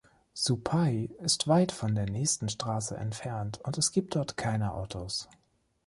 Supai ist weit von der nächsten Straße entfernt und es gibt dort keine Autos.